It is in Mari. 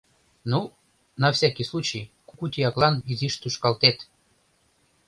Ну, на всякий случай, кугу тияклан изиш тушкалтет.